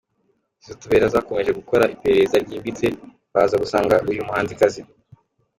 zubutabera zakomeje gukora iperereza ryimbitse baza gusanga uyu muhanzikazi.